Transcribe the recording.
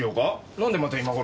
何でまた今頃。